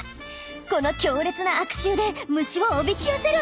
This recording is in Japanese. この強烈な悪臭で虫をおびき寄せるんだって。